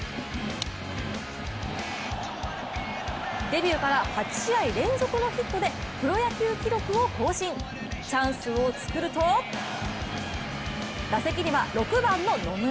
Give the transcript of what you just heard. デビューから８試合連続のヒットでプロ野球記録を更新チャンスを作ると打席には６番の野村。